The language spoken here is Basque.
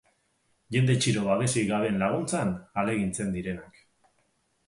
Jende txiro babesik gabeen laguntzan ahalegintzen direnak.